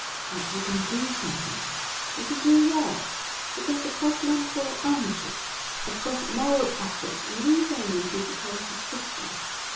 But we can do something else, we can do more we can suppress mental energy, suppress moral effort and leave only physical subsisting.